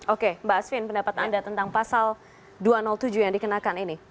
oke mbak asvin pendapat anda tentang pasal dua ratus tujuh yang dikenakan ini